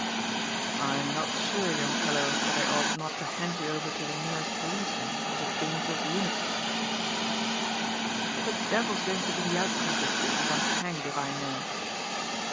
"I'm not sure, young fellow, that I ought not to hand you over to the nearest policeman as a dan gerous lunatic," said Tallis. "What the devil's j^mg to be the outcome of this business I'm hanged if I know."